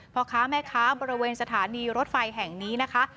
พ่อค้าแม่ค้าบริเวณสถานีรถไฟแห่งนี้นะคะ